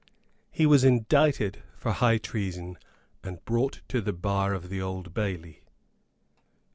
He was indicted for high treason, and brought to the bar of the Old Bailey.